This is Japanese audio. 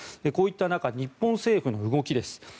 こういった中日本政府の動きです。